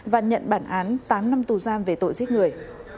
và nhận bản án tám năm tù giam về tội giết người